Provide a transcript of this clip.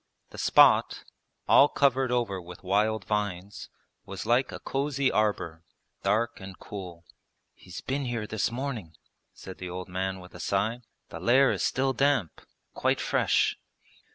The spot, all covered over with wild vines, was like a cosy arbour, dark and cool. 'He's been here this morning,' said the old man with a sigh; 'the lair is still damp, quite fresh.'